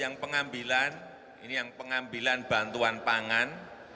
yang pengambilan ini yang pengambilan bantuan pangan